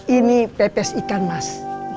ini pepes ikan mas